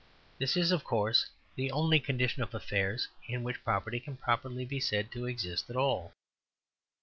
This is, of course, the only condition of affairs in which property can properly be said to exist at all.